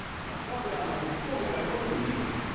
だって飛行機はエコノミーでいいから。